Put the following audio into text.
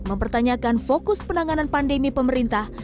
mempertanyakan fokus penanganan pandemi pemerintah